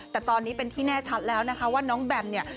แต่ตอนนี้เป็นที่แน่ชัดแล้วนะคะว่าน้องแบมเนี่ย